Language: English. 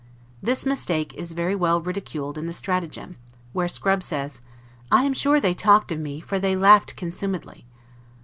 This mistake is very well ridiculed in the "Stratagem," where Scrub says, I AM SURE THEY TALKED OF ME FOR THEY LAUGHED CONSUMEDLY.